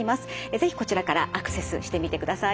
是非こちらからアクセスしてみてください。